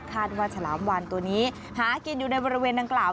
ว่าฉลามวานตัวนี้หากินอยู่ในบริเวณดังกล่าว